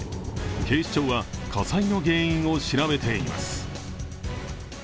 警視庁は火災の原因を調べています。